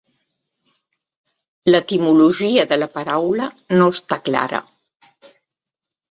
L'etimologia de la paraula no està clara.